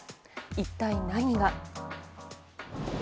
一体何が。